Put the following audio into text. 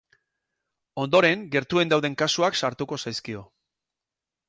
Ondoren, gertuen dauden kasuak sartuko zaizkio.